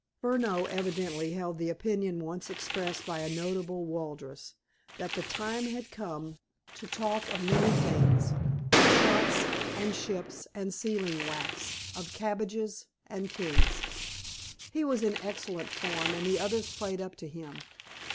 Furneaux evidently held the opinion once expressed by a notable Walrus—that the time had come To talk of many things: Of shoes—and ships—and sealing wax— Of cabbages—and kings. He was in excellent form, and the others played up to him.